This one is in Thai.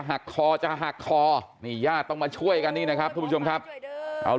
หักคอจะหักคอนี่ญาติต้องมาช่วยกันนี่นะครับทุกผู้ชมครับเอา